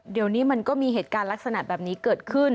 เดี๋ยวนี้มันก็มีเหตุการณ์ลักษณะแบบนี้เกิดขึ้น